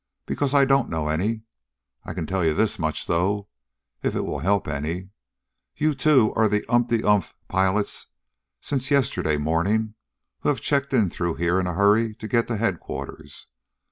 Because I don't know any. I can tell you this much, though, if it will help any. You two are the umpty umph pilots since yesterday morning who have checked through here in a hurry to get to Headquarters.